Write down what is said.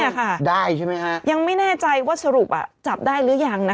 นี่จะรีบฯภาพจับได้ใช่ไหมฮะยังไม่แน่ใจว่าสรุปอ่ะจับได้หรือยังนะคะ